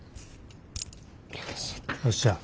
よっしゃ。